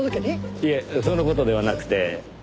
いえその事ではなくて。